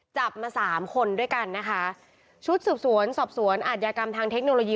จับมาสามคนด้วยกันนะคะชุดสืบสวนสอบสวนอาทยากรรมทางเทคโนโลยี